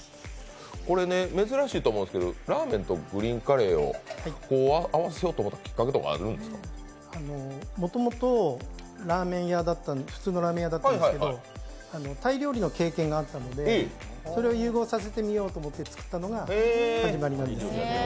これ珍しいと思うんですけどラーメンとグリーンカレーを合わせようと思ったきっかけってあるんですかもともと普通のラーメン屋だったんですけど、タイ料理の経験があったのでそれを融合させてみようと思って作ったのが始まりなんです。